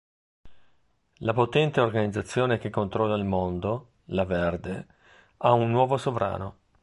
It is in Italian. La potente organizzazione che controlla il mondo, La Verde, ha un nuovo sovrano.